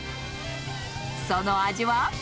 その味は？